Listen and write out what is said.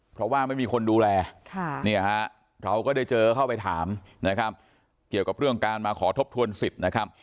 เพราะว่าไม่มีคนดูแลเราก็ได้เจอเข้าไปถามนะครับเกี่ยวกับเรื่องการมาขอทบทวนสิทธิ์นะครับ